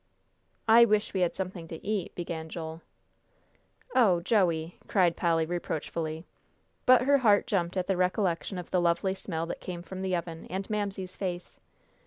"I wish we had somethin' to eat," began Joel. "Oh, Joey!" cried Polly, reproachfully. But her heart jumped at the recollection of the lovely smell that came from the oven, and Mamsie's face.